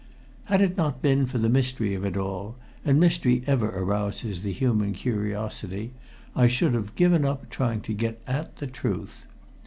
Had it not been for the mystery of it all and mystery ever arouses the human curiosity I should have given up trying to get at the truth.